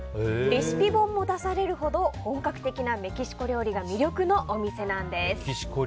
レシピ本も出されるほど本格的なメキシコ料理が魅力のお店なんです。